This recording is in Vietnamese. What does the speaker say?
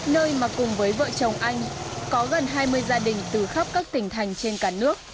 nơi mà cùng với vợ chồng anh có gần hai mươi gia đình từ khắp các tỉnh thành trên cả nước